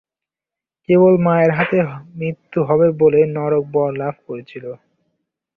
কেবল মায়ের হাতে মৃত্যু হবে বলে নরক বর লাভ করেছিল।